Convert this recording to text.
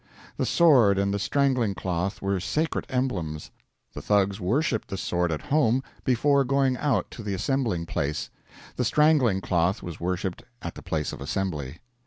The sword and the strangling cloth were sacred emblems. The Thugs worshiped the sword at home before going out to the assembling place; the strangling cloth was worshiped at the place of assembly.